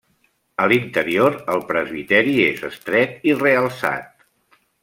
A l'interior, el presbiteri és estret i realçat.